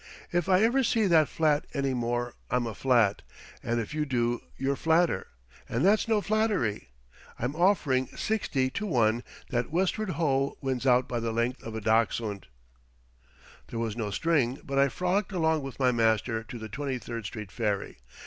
If I ever see that flat any more I'm a flat, and if you do you're flatter; and that's no flattery. I'm offering 60 to 1 that Westward Ho wins out by the length of a dachshund." There was no string, but I frolicked along with my master to the Twenty third street ferry.